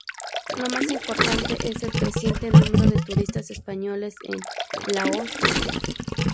Lo más importante es el creciente número de turistas españoles en Laos.